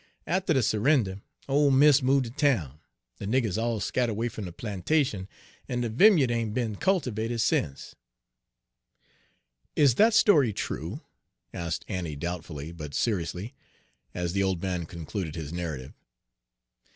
Atter de s'render ole miss move' ter town, de niggers all scattered 'way fum de plantation, en de vimya'd ain' be'n cultervated sence." "Is that story true?" asked Annie doubtfully, but seriously, as the old man concluded his narrative.